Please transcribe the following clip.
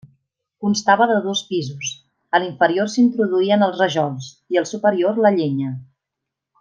Constava de dos pisos: a l'inferior s'hi introduïen els rajols, i al superior la llenya.